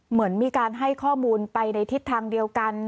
เหมือนมีการให้ข้อมูลไปในทิศทางเดียวกัน